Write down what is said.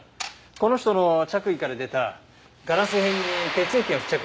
この人の着衣から出たガラス片に血液が付着してたんだよね？